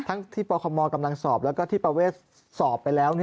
ทั้งที่ปคมกำลังสอบแล้วก็ที่ประเวทสอบไปแล้ว